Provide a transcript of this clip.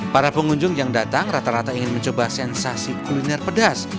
para pengunjung yang datang rata rata ingin mencoba sensasi kuliner pedas